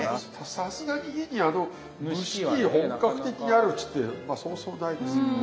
さすがに家にあの蒸し器本格的にあるうちってまあそうそうないですよね。